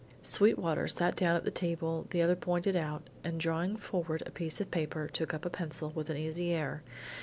Sweetwater sat down at the table the other pointed out, and drawing forward a piece of paper, took up a pencil with an easy air.